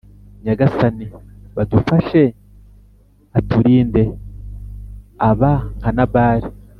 Nyagasani baadufashe aturindeaba nka Nabali